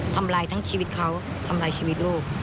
ทำร้ายทั้งชีวิตเขาทำร้ายชีวิตลูก